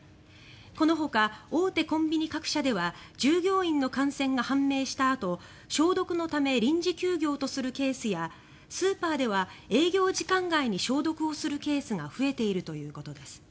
このほか、大手コンビニ各社では従業員の感染が判明したあと消毒のため臨時休業とするケースやスーパーでは営業時間外に消毒をするケースが増えているということです。